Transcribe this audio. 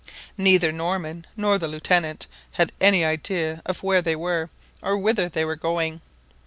Neither Norman nor the Lieutenant had any idea of where they were, or whither they were going.